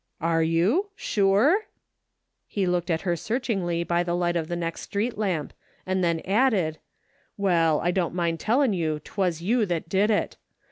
'' Are you ? Sure ?" He looked at her searchingly by the light of the next street lamp, and then added, " Well, I don't mind tollin' you 'twas you that did it.